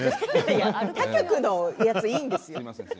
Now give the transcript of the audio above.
他局の番組はいいんですよ。